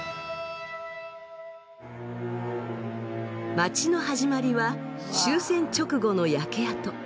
街の始まりは終戦直後の焼け跡。